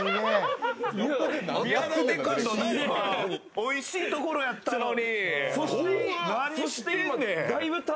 おいしいところやったのに。